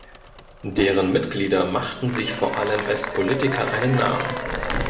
Deren Mitglieder machten sich vor allem als Politiker einen Namen.